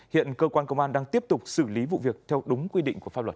hiện cơ quan công an đang tiếp tục xử lý vụ việc theo đúng quy định của pháp luật